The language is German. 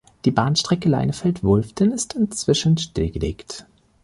Die Bahnstrecke Leinefelde–Wulften ist inzwischen stillgelegt.